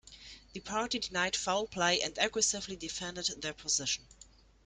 The party denied foul play and aggressively defended their position.